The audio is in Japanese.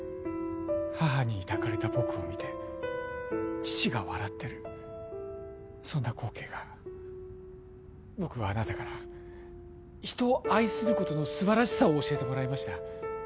母に抱かれた僕を見て父が笑ってるそんな光景が僕はあなたから人を愛することの素晴らしさを教えてもらいました